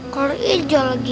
kolor hijau lagi